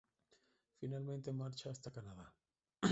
Finalmente marcha hasta Canadá.